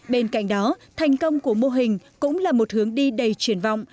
bên cạnh đó thành công của mô hình cũng là một hướng đi đầy chuyển